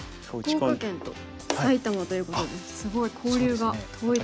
福岡県と埼玉ということですごい交流が遠いとこですね。